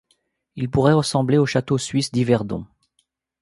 Il pourrait ressembler au château suisse d'Yverdon.